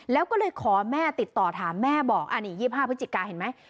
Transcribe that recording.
แล้วก็เลยขอแม่ติดต่อถามแม่บอกอันนี้๒๕พฤศจิกาเห็นไหม